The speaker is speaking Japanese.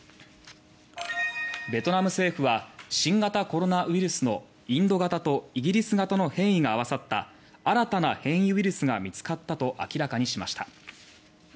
ベトナム政府は新型コロナウイルスのインド型とイギリス型の変異が合わさった新たな変異ウイルスが見つかったと明らかにしました。